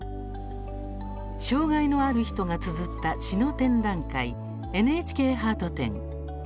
障害のある人がつづった詩の展覧会、ＮＨＫハート展。